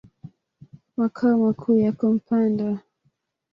Makao makuu yako Mpanda.